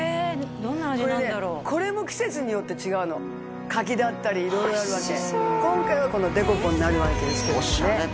どんな味なんだろうこれも季節によって違うの柿だったり色々あるわけ今回はこのデコポンになるわけですけどもね